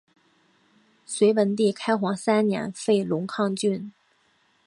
隋文帝开皇三年废龙亢郡。